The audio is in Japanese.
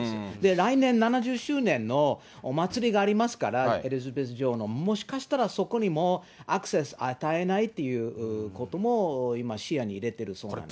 来年７０周年のお祭りがありますから、エリザベス女王の。もしかしたら、そこにもアクセス与えないっていうことも今、視野に入れているそうなんです。